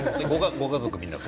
ご家族みんな？